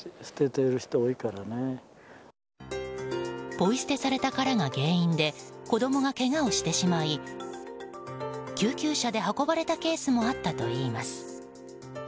ポイ捨てされた殻が原因で子供がけがをしてしまい救急車で運ばれたケースもあったといいます。